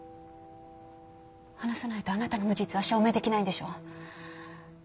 話さないとあなたの無実は証明出来ないんでしょう？